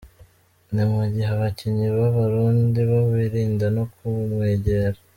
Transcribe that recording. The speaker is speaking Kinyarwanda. Ni mu gihe abakinnyi b’Abarundi bo birinda no kumwegera.